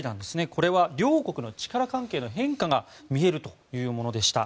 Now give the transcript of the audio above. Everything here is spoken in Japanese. これは両国の力関係の変化が見えるというものでした。